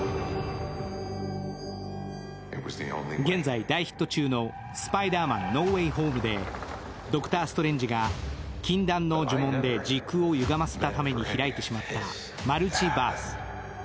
現在大ヒット中の「スパイダーマンノー・ウェイ・ホーム」でドクター・ストレンジが禁断の呪文で時空をゆがませたために開いてしまったマルチバース。